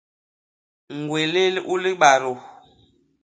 ñgwélél u libadô.